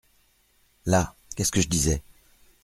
Là !… qu’est-ce que je disais ?